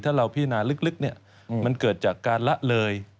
ถ้าเราพินาลึกมันเกิดจากการละเลย